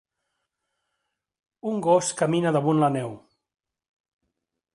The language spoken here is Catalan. Un gos camina damunt la neu.